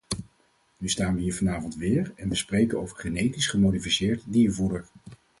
Nu staan we hier vanavond weer en we spreken over genetisch gemodificeerd diervoeder.